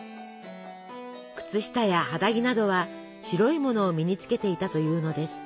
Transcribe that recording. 靴下や肌着などは白いものを身につけていたというのです。